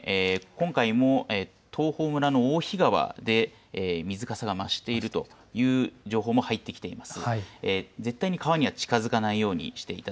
実際に、今回も東峰村のおおひ川で水かさが増しているという情報も入ってきています。